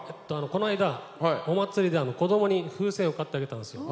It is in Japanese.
こないだお祭りで子供に風船を買ってあげたんですよ。